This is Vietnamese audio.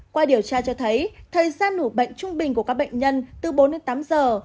qua điều tra cho thấy thời gian ủ bệnh trung bình của các bệnh nhân từ bốn đến tám giờ